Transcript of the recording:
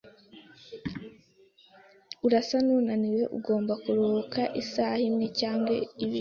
Urasa nunaniwe. Ugomba kuruhuka isaha imwe cyangwa ibiri.